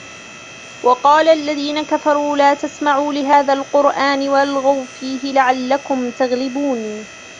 وقال الذين كفروا لا تسمعوا لهذا القرآن والغوا فيه لعلكم تغلبون